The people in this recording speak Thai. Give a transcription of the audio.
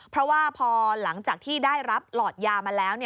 เพราะว่าพอหลังจากที่ได้รับหลอดยามาแล้ว